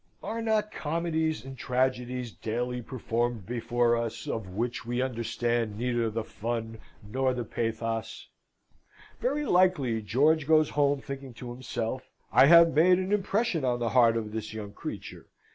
Are not comedies and tragedies daily performed before us of which we understand neither the fun nor the pathos? Very likely George goes home thinking to himself, "I have made an impression on the heart of this young creature.